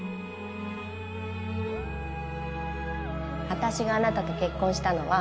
私があなたと結婚したのは